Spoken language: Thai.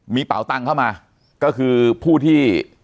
มีเป๋าตังเข้ามาก็คือผู้ที่